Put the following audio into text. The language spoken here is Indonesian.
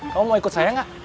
kamu mau ikut saya gak